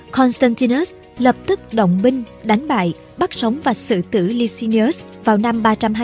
constantinus lập tức động binh đánh bại bắt sống và sự tử licinius vào năm ba trăm hai mươi ba